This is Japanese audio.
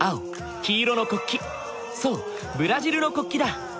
そうブラジルの国旗だ。